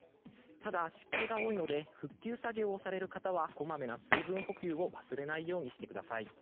ただ、湿気が多いので復旧作業をされる方はこまめな水分補給を忘れないようにしてください。